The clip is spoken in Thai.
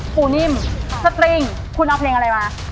นิ่มสตริงคุณเอาเพลงอะไรมา